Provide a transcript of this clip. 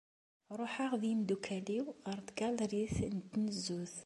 Ruḥeɣ d yemdukal-iw ɣer tgalrit n tnezzut.